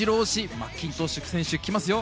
マッキントッシュ選手が来ますよ。